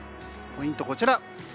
ポイントは、こちら。